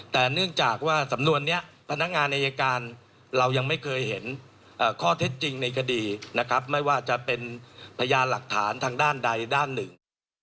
แต่เนื่องจากว่าสำนวนนี้พนักงานอายการเรายังไม่เคยเห็นข้อเท็จจริงในคดีนะครับไม่ว่าจะเป็นพยานหลักฐานทางด้านใดด้านหนึ่ง